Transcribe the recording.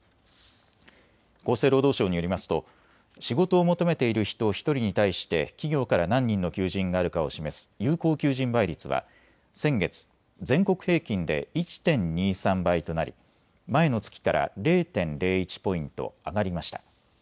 厚生労働省によりますと仕事を求めている人１人に対して企業から何人の求人があるかを示す有効求人倍率は先月、全国平均で１．２３倍となり前の月から０．０１ポイント上がりました。